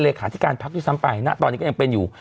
เลขาธิการพักด้วยซ้ำไปณตอนนี้ก็ยังเป็นอยู่